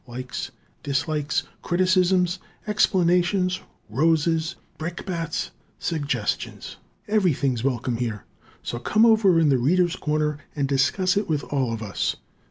Likes, dislikes, criticisms, explanations, roses, brickbats, suggestions everything's welcome here; so "come over in 'The Readers' Corner'" and discuss it with all of us!